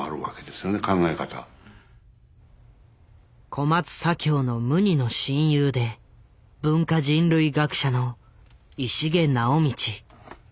小松左京の無二の親友で文化人類学者の石毛直道。